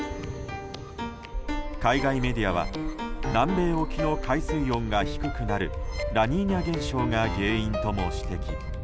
海外メディアは南米沖の海水温が低くなるラニーニャ現象が原因とも指摘。